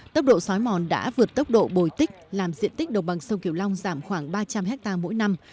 tốc độ xói mòn đã vượt tốc độ bồi tích làm diện tích độc bằng sông kiểu long giảm khoảng ba trăm linh hectare mỗi năm